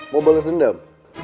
mau balas dendam